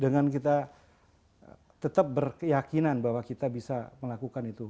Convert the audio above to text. dengan kita tetap berkeyakinan bahwa kita bisa melakukan itu